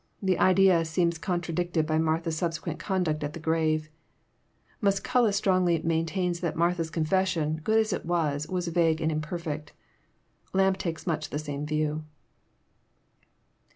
The idea seems contradicted by Martha's subsequent conduct at the grave. Musculus strongly maintains that Martha's confession, good Bs it was, was vague and imperfect. Lampe takes much the same view.